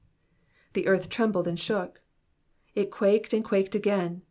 ''The earth trembled and shook.''^ It quaked and quaked again.